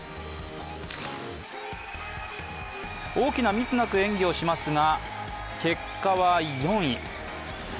大きなミスなく演技をしますが、結果は４位。